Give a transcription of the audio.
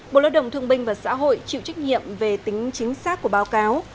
bộ lợi đồng thượng binh và xã hội chịu trách nhiệm về tính chính xác của báo cáo